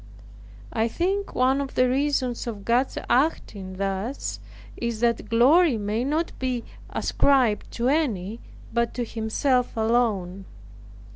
I think one of the reasons of God's acting thus, is that glory may not be ascribed to any, but to Himself alone.